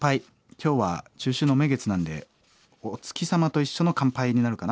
今日は中秋の名月なんでお月様と一緒の乾杯になるかな？